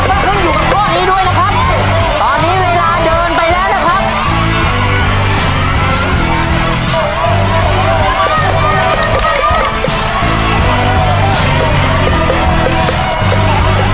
ก็ขึ้นอยู่กับข้อนี้ด้วยนะครับตอนนี้เวลาเดินไปแล้วนะครับ